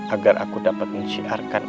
agar aku dapat mencintai